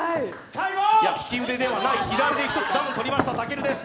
利き腕ではない左でダウンをとりました、武尊です。